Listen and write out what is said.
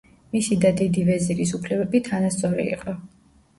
მისი და დიდი ვეზირის უფლებები თანასწორი იყო.